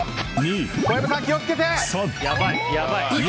小籔さん、気を付けて！